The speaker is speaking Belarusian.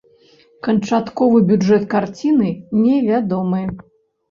Канчатковы бюджэт карціны невядомы.